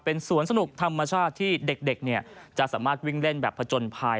เป็นสวนสนุกธรรมชาติที่เด็กจะสามารถวิ่งเล่นแบบผจญภัย